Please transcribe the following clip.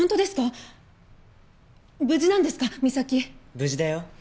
無事だよ。